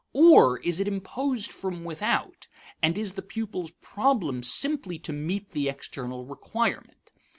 Or is it imposed from without, and is the pupil's problem simply to meet the external requirement?